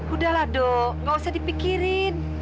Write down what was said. udah lah do gak usah dipikirin